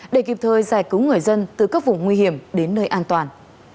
để kịp thời giải cứu người dân từ các vùng nguy hiểm đến nơi an toàn